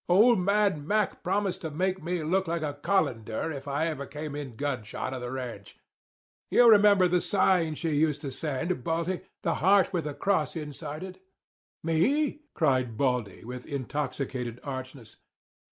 Old man Mac promised to make me look like a colander if I ever come in gun shot of the ranch. You remember the sign she used to send, Baldy—the heart with a cross inside of it?" "Me?" cried Baldy, with intoxicated archness.